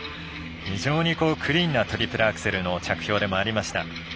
非常にクリーンなトリプルアクセルの着氷でもありました。